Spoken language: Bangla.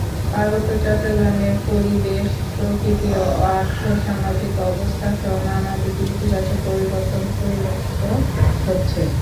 পার্বত্য চট্টগ্রামের পরিবেশ, প্রকৃতি, আর্থসামাজিক অবস্থাসহ নানা দিকে ইতিবাচক পরিবর্তন পরিলক্ষিত হচ্ছে।